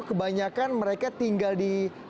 kebanyakan mereka tinggal di